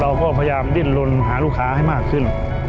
เราก็พยายามดิ้นลนหาลูกค้าให้มากขึ้น